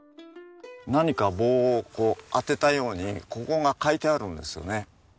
何か棒をこう当てたようにここが欠いてあるんですよね。